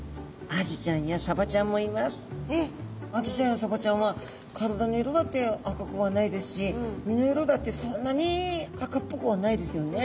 アジちゃんやサバちゃんは体の色だって赤くはないですし身の色だってそんなに赤っぽくはないですよね。